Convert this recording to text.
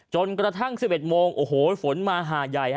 จนกระทั่ง๑๑โมงฝนมาหาใหญ่